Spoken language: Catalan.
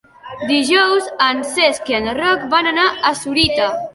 Dijous en Cesc i en Roc van a Sorita.